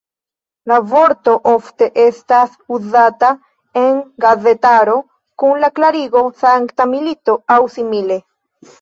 La vorto ofte estas uzata en gazetaro kun la klarigo "sankta milito" aŭ simile.